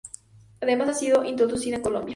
Además ha sido introducida en Colombia.